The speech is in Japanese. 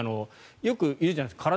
よくいるじゃないですか